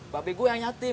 bape gue yang yatim